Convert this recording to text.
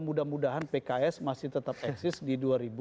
mudah mudahan pks masih tetap eksis di dua ribu dua puluh